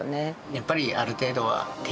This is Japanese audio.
やっぱり。